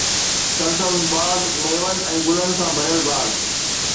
سرسبز باغ، ميون ۽ گلن سان ڀريل باغ